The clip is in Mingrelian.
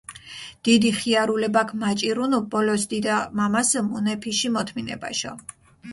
დიდი ხიარულებაქ მაჭირუნუ ბოლოს დიდა-მამასჷ მუნეფიში მოთმინებაშო.